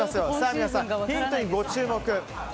皆さん、ヒントにご注目。